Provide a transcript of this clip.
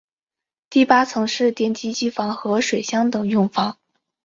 第八层是电梯机房和水箱等用房。